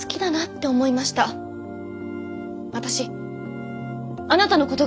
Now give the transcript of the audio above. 私あなたのことが。